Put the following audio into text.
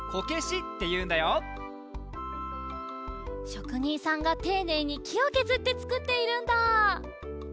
しょくにんさんがていねいにきをけずってつくっているんだ！